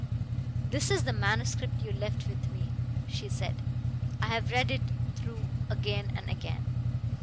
"This is the manuscript you left with me," she said. "I have read it through again and again.